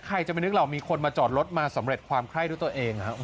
ใครจะไม่นึกหรอกมีคนมาจอดรถมาสำเร็จความไข้ด้วยตัวเองครับ